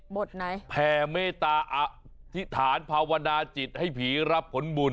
ไหนแผ่เมตตาอธิษฐานภาวนาจิตให้ผีรับผลบุญ